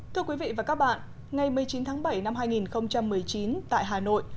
thưa quý vị và các bạn ngày một mươi chín tháng bảy năm hai nghìn một mươi chín tại hà nội